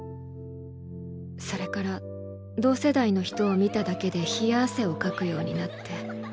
それから同世代の人を見ただけで冷や汗をかくようになって。